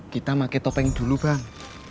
kita pakai topeng dulu bang